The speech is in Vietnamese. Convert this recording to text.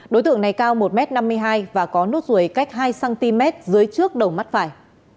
đối tượng này cao một m năm mươi hai và có nốt ruồi cách hai cm dưới trước đầu mắt phải